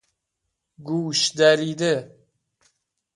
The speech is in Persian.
گوشدریده